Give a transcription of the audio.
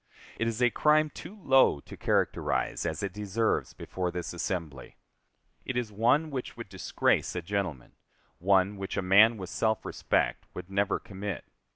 It is a crime too low to characterize as it deserves before this assembly. It is one which would disgrace a gentleman one which a man with self respect would never commit.